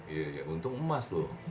iya untung emas loh